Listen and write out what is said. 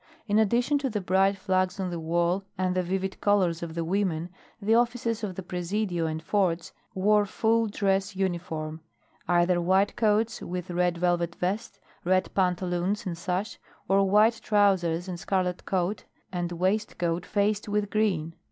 In addition to the bright flags on the wall and the vivid colors of the women, the officers of the Presidio and forts wore full dress uniform, either white coats with red velvet vest, red pantaloons and sash, or white trousers and scarlet coat and waistcoat faced with green.